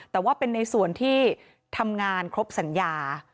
แต่ว่าเป็นในส่วนที่ทำงานครบสัญญา